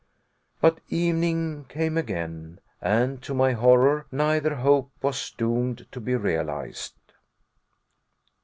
But evening came again, and, to my horror, neither hope was doomed to be realized!